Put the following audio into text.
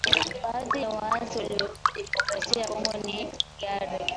Baadhi ya waasi hao walirudi Demokrasia ya Kongo kwa hiari